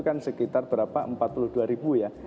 kan sekitar berapa empat puluh dua ribu ya